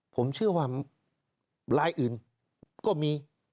ผมเชื่อว่ารายอื่นก็มี